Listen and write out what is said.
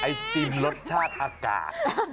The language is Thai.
อ่าไอติมไอติมรสชาติอากาศ